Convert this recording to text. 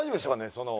その。